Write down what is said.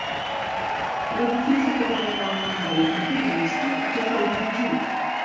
L'edifici que va rebre el nom de la protagonista, a què fou dirigit?